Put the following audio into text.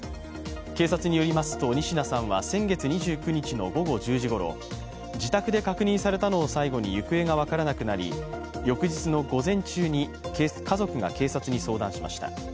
警察によりますと、仁科さんは先月２９日の午後１０時ごろ、自宅で確認されたのを最後に行方が分からなくなり、翌日の午前中に家族が警察に相談しました。